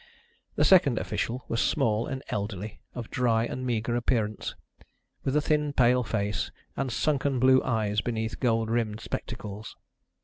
The second official was small and elderly, of dry and meagre appearance, with a thin pale face, and sunken blue eyes beneath gold rimmed spectacles.